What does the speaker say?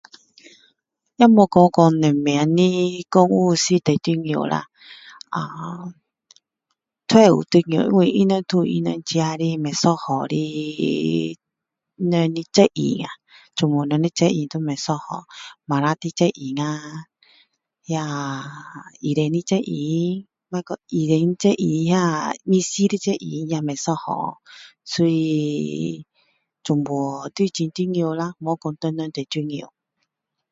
也没有说什么部门是最重要啦呃都是有重要因为他们都有他们不一样的责任呀全部人的责任都不一样警察的责任那个那个医生的责任那说医生的责任律师的责任也不一样所以全部都很重要啦没有说谁最重要